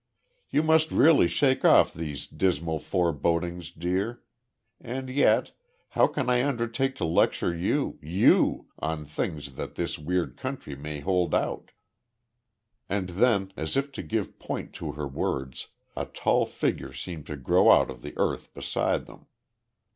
"You must really shake off these dismal forebodings, dear and yet, how can I undertake to lecture you you on things that this weird country may hold out?" And then, as if to give point to her words, a tall figure seemed to grow out of the earth beside them.